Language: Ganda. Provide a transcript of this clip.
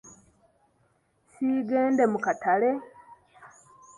Siigende mu katale.